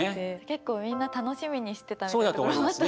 結構みんな楽しみにしてたみたいなところもあったんですかね。